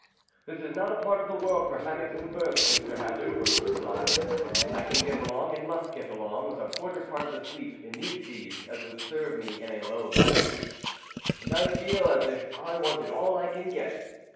"This is not a part of the world for hammocks and berths, Mr. Hazard," was the reply. "I can get along, and must get along, with a quarter part of the sleep in these seas as would serve me in a low latitude." "And I feel as if I wanted all I can get.